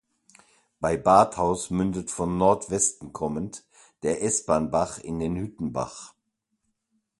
Bei Badhaus mündet von Nordwesten kommend der Espanbach in den Hüttenbach.